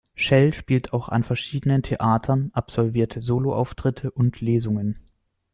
Schell spielt auch an verschiedenen Theatern, absolviert Soloauftritte und Lesungen.